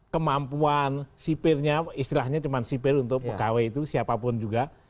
kemampuan sipirnya istilahnya cuma sipir untuk pegawai itu siapapun juga